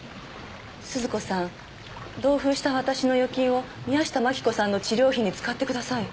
「鈴子さん同封した私の預金を宮下真紀子さんの治療費に使ってください」